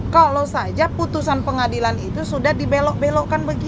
kalau saja putusan pengadilan itu sudah dibelok belokkan begitu